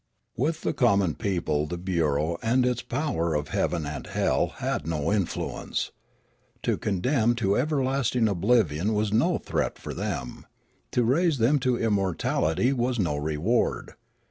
With the common people the bureau and its power of heaven and hell had no influence ; to condemn to everlasting oblivion w^is no threat for them ; to raise them to immortality was no reward.